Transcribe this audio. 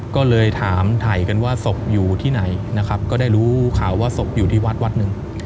ก็เลยถามถ่ายกันว่าศพอยู่ที่ไหนนะครับก็ได้รู้ข่าวว่าศพอยู่ที่วัดวัดหนึ่ง